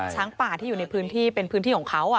ช้างป่าที่อยู่ในพื้นที่เป็นพื้นที่ของเขา